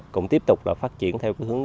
cũng tiếp tục phát triển theo hướng